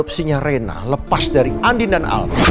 biasanya kalau ada kalian perlu ada seseorang yang ngejual janganlahlah aku